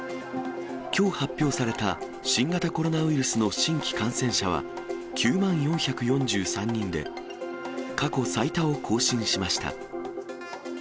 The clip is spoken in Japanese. きょう発表された、新型コロナウイルスの新規感染者は９万４４３人で、過去最多を更新しました。